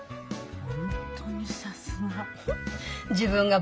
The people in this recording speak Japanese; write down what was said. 本当にさすが。